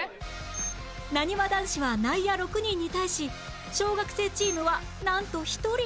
なにわ男子は内野６人に対し小学生チームはなんと１人！